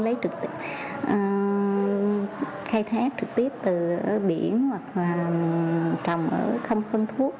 lấy trực tiếp khai thép trực tiếp từ biển hoặc trồng ở không phân thuốc